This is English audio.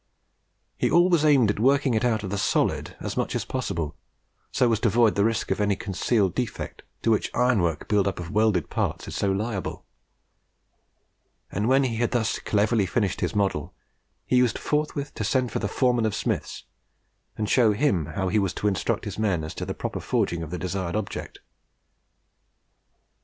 He always aimed at working it out of the solid as much as possible, so as to avoid the risk of any concealed defect, to which ironwork built up of welded parts is so liable; and when he had thus cleverly finished his model, he used forthwith to send for the foreman of smiths, and show him how he was to instruct his men as to the proper forging of the desired object."